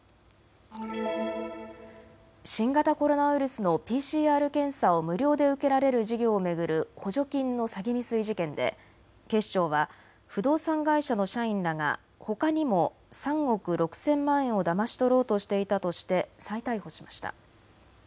新型コロナウイルスのＰＣＲ検査を無料で受けられる事業を巡る補助金の詐欺未遂事件で警視庁は不動産会社の社員らがほかにも３億６０００万円をだまし取ろうとしていたとして再逮捕しました。